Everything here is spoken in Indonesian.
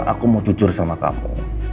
aku mau jujur sama kamu